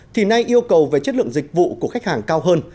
thì nay yêu cầu về chất lượng dịch vụ của khách hàng cao hơn